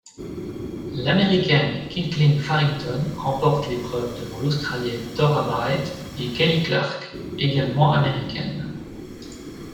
L'Américaine Kaitlyn Farrington remporte l'épreuve devant l'Australienne Torah Bright et Kelly Clark, également américaine.